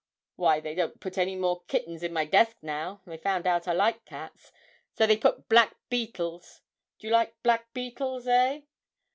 Why, they don't put any more kittens in my desk now they've found out I like cats. So they put blackbeetles do you like blackbeetles, eh?